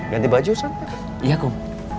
ganti baju sam iya kom